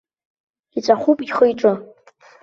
Иҵәахуп ихы-иҿы.